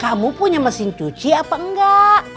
kamu punya mesin cuci apa enggak